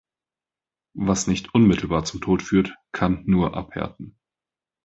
Was nicht unmitterlbar zum Tod führt, kann nur abhärten.